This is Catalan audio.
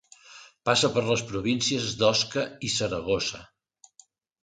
Passa per les províncies d'Osca i Saragossa.